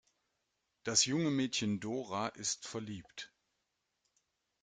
Das junge Mädchen Dora ist verliebt.